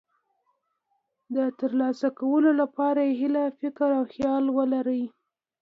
د ترلاسه کولو لپاره یې هیله، فکر او خیال ولرئ.